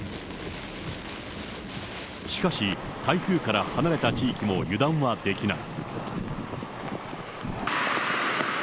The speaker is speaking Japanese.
しかし、台風から離れた地域も油断はできない。